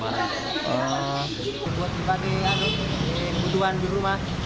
buat dipakai yang butuhan di rumah